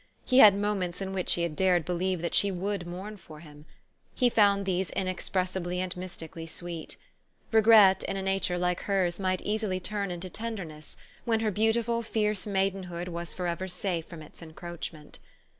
He had moments in which he had dared believe that she would mourn for him. He found these inexpressibly and mystically sweet. Regret in a nature like hers might easily turn into tenderness, when her beautiful, fierce maidenhood was forever safe from its encroachment.